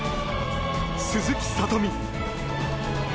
鈴木聡美。